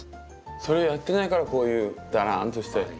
それをやってないからこういうだらんとして。